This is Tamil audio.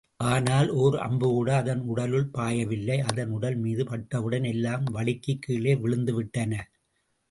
ஆனால், ஓர் அம்புகூட அதன் உடலுள் பாயவில்லை அதன் உடல் மீது, பட்டவுடன் எல்லாம் வழுக்கிக் கீழே விழுந்துவிட்டன.